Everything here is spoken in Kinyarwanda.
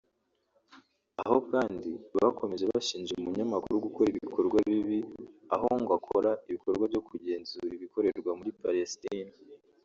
Aho kandi bakomeje bashinja uyu munyamakuru gukora ibikorwa bibi aho ngo akora ibikorwa cyo kugenzura ibikorerwa muri Palestine